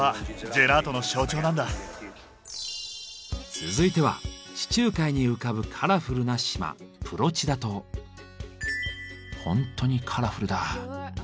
続いては地中海に浮かぶカラフルな島ほんとにカラフルだ。